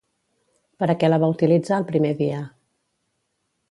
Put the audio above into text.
Per a què la va utilitzar el primer dia?